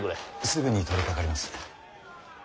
すぐに取りかかります。